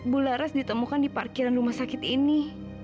bularas ditemukan di parkiran rumah sakit ini